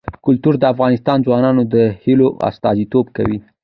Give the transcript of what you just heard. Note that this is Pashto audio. کلتور د افغان ځوانانو د هیلو استازیتوب کوي.